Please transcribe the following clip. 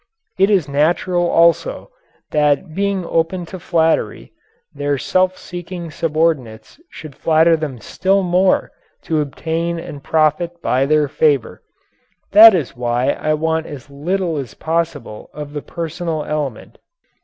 It is natural, also, that being open to flattery, their self seeking subordinates should flatter them still more to obtain and profit by their favor. That is why I want as little as possible of the personal element.